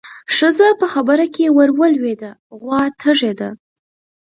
ښځه په خبره کې ورولوېده: غوا تږې ده.